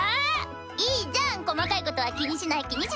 いいじゃん細かいことは気にしない気にしない！